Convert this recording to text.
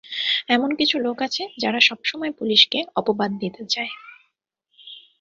এমন কিছু লোক আছে যারা সবসময় পুলিশকে অপবাদ দিতে চায়।